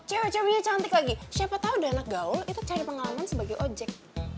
cewek cewek dia cantik lagi siapa tau udah anak gaul itu cari pengalaman sebagai ojek